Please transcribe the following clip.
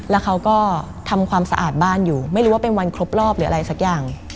แล้วเขาก็ทำความสะอาดบ้านอยู่ไม่รู้ว่าเป็นวันครบรอบหรืออะไรสักอย่าง